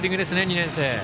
２年生。